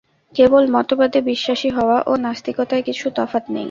কেবল মতবাদে বিশ্বাসী হওয়া ও নাস্তিকতায় কিছু তফাত নেই।